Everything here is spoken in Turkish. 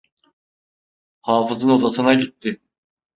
Hafız’ın odasına gitti.